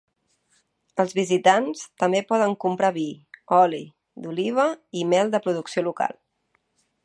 Els visitants també poden comprar vi, oli d'oliva i mel de producció local.